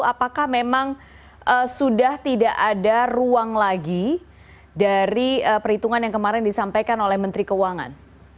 apakah memang sudah tidak ada ruang lagi dari perhitungan yang kemarin disampaikan oleh menteri keuangan